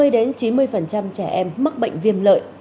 hai mươi chín mươi trẻ em mắc bệnh viêm lợi